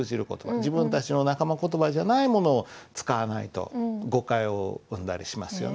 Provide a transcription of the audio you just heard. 自分たちの仲間言葉じゃないものを使わないと誤解を生んだりしますよね。